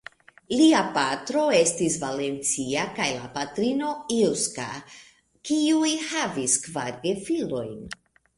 Lia patro estis valencia kaj la patrino eŭska, kiuj havis kvar gefilojn.